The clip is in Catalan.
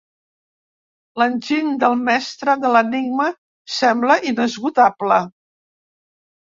L'enginy del mestre de l'enigma sembla inesgotable.